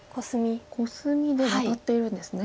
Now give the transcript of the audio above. コスミでワタっているんですね。